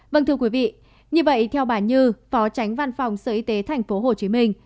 vâng thưa quý vị như vậy theo bà như phó tránh văn phòng sở y tế tp hcm